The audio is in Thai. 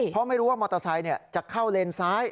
เพราะไม่รู้ว่ามอเตอร์ไซค์จะเข้าเลนซ้าย